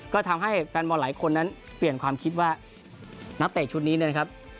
ก็ทำให้แฟนบอลหลายคนนั้นเปลี่ยนความคิดว่านักเตะชุดนี้เนี่ยนะครับ